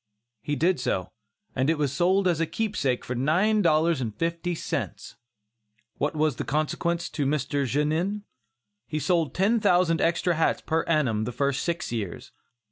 He did so, and it was sold as a keepsake for nine dollars and fifty cents! What was the consequence to Mr. Genin? He sold ten thousand extra hats per annum, the first six years.